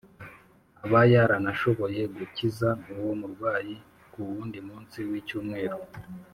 Aba yaranashoboye gukiza uwo murwayi ku wundi munsi w’icyumweru